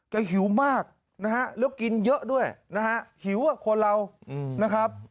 ก็หิวมากแล้วกินเยอะด้วยหิวคนเรานะครับ